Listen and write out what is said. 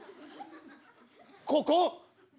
ここ？